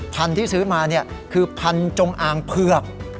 พันธุ์ที่ซื้อมาคือพันธุ์จงอางเผือก